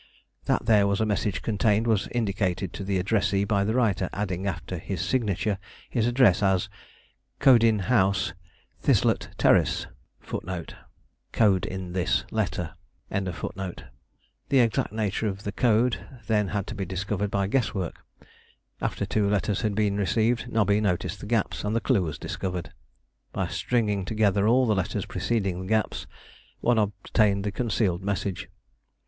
That there was a message contained was indicated to the addressee by the writer adding after his signature his address as "Codin House, Thislet Terrace." The exact nature of the code then had to be discovered by guess work. After two letters had been received, Nobby noticed the gaps, and the clue was discovered. By stringing together all the letters preceding the gaps, one obtained the concealed message.